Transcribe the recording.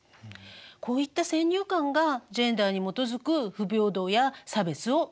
こういった先入観がジェンダーに基づく不平等や差別を生んでしまいます。